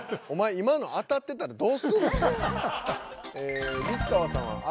お前今の当たってたらどうすんの？